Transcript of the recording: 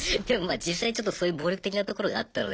実際ちょっとそういう暴力的なところがあったので。